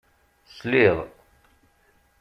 Sliɣ.